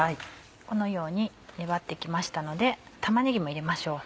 このように粘って来ましたので玉ねぎも入れましょう。